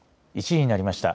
１時になりました。